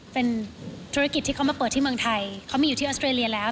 เป็นธุรกิจที่เขามาเปิดที่เมืองไทยเขามีอยู่ที่ออสเตรเลียแล้ว